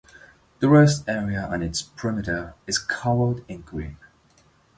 The rest area on it perimeter is covered in green.